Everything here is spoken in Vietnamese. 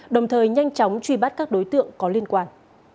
đồng thời nhanh chóng truy bắt các đối tượng có liên quan